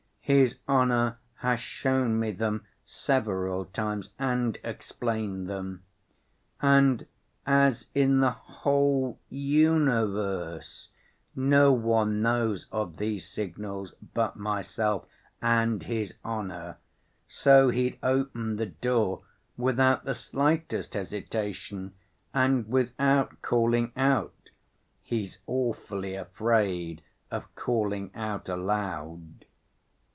His honor has shown me them several times and explained them. And as in the whole universe no one knows of these signals but myself and his honor, so he'd open the door without the slightest hesitation and without calling out (he is awfully afraid of calling out aloud).